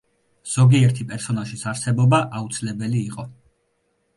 ზოგიერთი პერსონაჟის არსებობა აუცილებელი იყო.